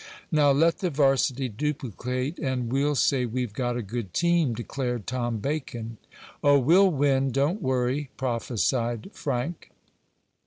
"Now let the varsity duplicate and we'll say we've got a good team," declared Tom Bacon. "Oh, we'll win; don't worry!" prophesied Frank.